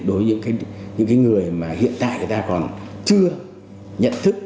đối với những người hiện tại còn chưa nhận thức